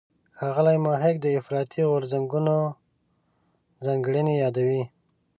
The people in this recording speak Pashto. ښاغلی محق د افراطي غورځنګونو ځانګړنې یادوي.